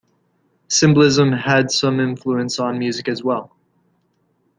Symbolism had some influence on music as well.